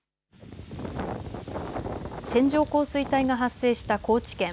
線状降水帯が発生した高知県。